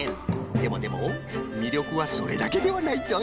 でもでもみりょくはそれだけではないぞい。